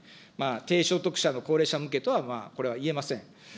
低所得者の高齢者向けとはこれはいえません。